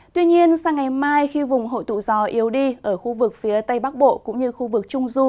tuy nhiên sang ngày mai khi vùng hội tụ gió yếu đi ở khu vực phía tây bắc bộ cũng như khu vực trung du